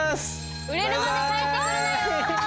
売れるまで帰ってくんなよ！